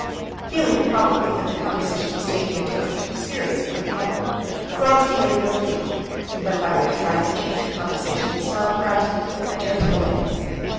Feeling probably that the conversation was taking a tone too serious for a drawing room, Vronsky made no rejoinder, but by way of trying to change the conversation, he smiled brightly, and turned to the ladies.